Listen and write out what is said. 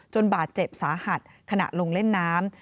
บาดเจ็บสาหัสขณะลงเล่นน้ำ